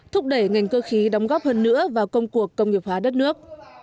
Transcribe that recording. thúc đẩy ngành cơ khí đóng góp hơn nữa vào công cuộc công nghiệp hóa đất nước